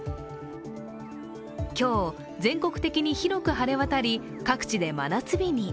今日、全国的に広く晴れ渡り、各地で真夏日に。